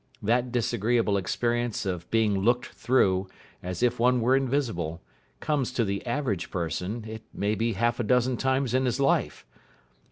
That disagreeable experience of being looked through, as if one were invisible, comes to the average person, it may be half a dozen times in his life.